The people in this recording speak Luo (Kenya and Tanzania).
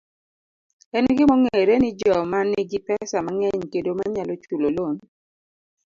En gima ong'ere ni joma nigi pesa mang'eny kendo manyalo chulo lon